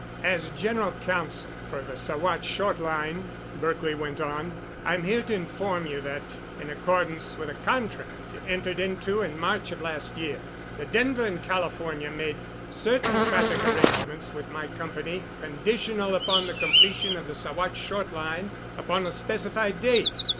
"As general counsel for the Saguache Short Line," Berkely went on, "I am here to inform you that, in accordance with a contract entered into in March of last year, the Denver and California made certain traffic arrangements with my Company conditional upon the completion of the Saguache Short Line upon a specified date.